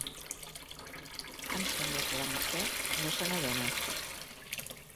Em sembla que la Mercè no se n'adona.